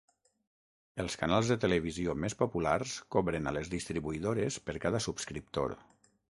Els canals de televisió més populars cobren a les distribuïdores per cada subscriptor.